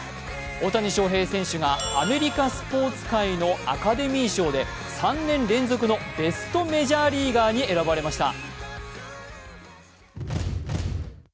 大谷翔平選手がスポーツ界のアカデミー賞で３年連続のベストメジャーリーガーに選ばれました。